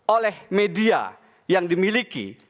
oleh media yang dimiliki